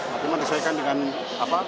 tapi menyesuaikan dengan apa